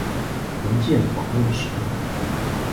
文件访问使用。